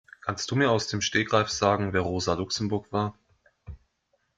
Kannst du mir aus dem Stegreif sagen, wer Rosa Luxemburg war?